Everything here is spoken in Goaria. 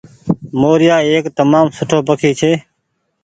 موريآ ايڪ تمآم سٺو پکي ڇي۔